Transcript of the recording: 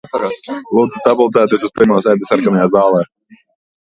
Lūdzu sapulcēties uz pirmo sēdi Sarkanajā zālē.